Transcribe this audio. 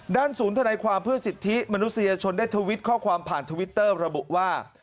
ศูนย์ธนายความเพื่อสิทธิมนุษยชนได้ทวิตข้อความผ่านทวิตเตอร์ระบุว่า